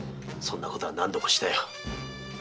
そんなことは何度もしたよ。